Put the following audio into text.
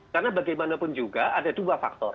karena bagaimanapun juga ada dua faktor